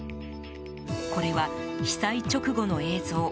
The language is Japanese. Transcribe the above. これは、被災直後の映像。